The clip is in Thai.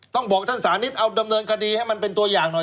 ต้องบอกท่านสานิทเอาดำเนินคดีให้มันเป็นตัวอย่างหน่อย